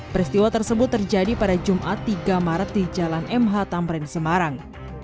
peristiwa tersebut terjadi pada jumat tiga maret di jalan mh tamrin semarang